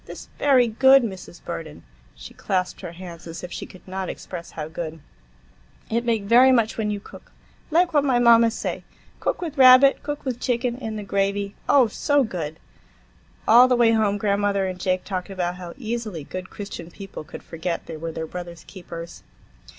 "This very good, Mrs. Burden,"—she clasped her hands as if she could not express how good,—"it make very much when you cook, like what my mama say. Cook with rabbit, cook with chicken, in the gravy,—oh, so good!" All the way home grandmother and Jake talked about how easily good Christian people could forget they were their brothers' keepers.